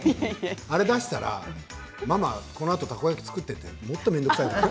あれを出したらママこのあとたこ焼き作ってって言われてもっと面倒くさいよ。